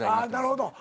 なるほど。